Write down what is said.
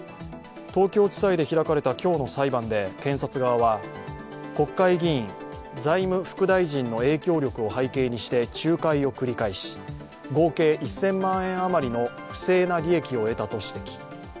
東京地裁で開かれた今日の裁判で検察側は、国会議員、財務副大臣の影響力を背景にして仲介を繰り返し合計１０００万円余りの不正な利益を得たと指摘。